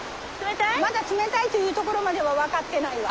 まだ冷たいという所までは渡ってないわ。